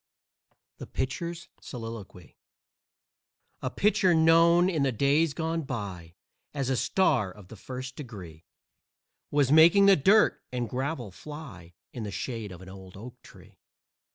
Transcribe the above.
THE PITCHER'S SOLILOQUY A pitcher known in the days gone by As a star of the first degree Was making the dirt and gravel fly In the shade of an old oak tree.